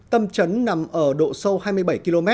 tâm trấn nằm ở độ sâu hai mươi bảy km